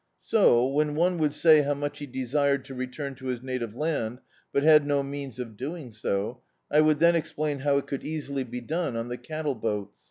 So, when one would say how much he desired to return to his native land, but had no means of doing so, I would then explain how it could easily be done on the cattle boats.